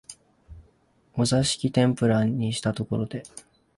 お座敷天婦羅にしたところで、